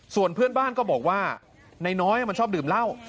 ส่วนเพื่อนบ้านก็บอกว่านายน้อยมันชอบดื่มเหล้า